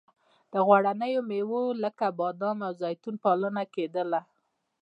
د غوړینو میوو لکه بادام او زیتون پالنه کیدله.